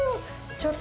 ちょっと！